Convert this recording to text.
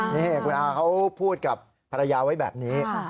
นี่คุณอาเขาพูดกับภรรยาไว้แบบนี้